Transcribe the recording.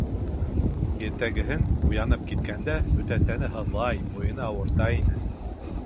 Иртәгеһен уянып киткәндә бөтә тәне һыҙлай, муйыны ауырта ине.